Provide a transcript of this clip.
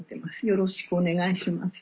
よろしくお願いします。